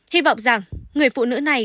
hy vọng rằng người phụ nữ này